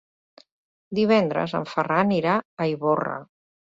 Divendres en Ferran irà a Ivorra.